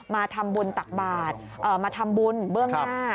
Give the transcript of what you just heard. มาทำบุญตักบาทมาทำบุญเบื้องหน้า